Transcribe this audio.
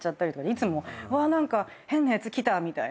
いつも「わ何か変なやつ来た」みたいな。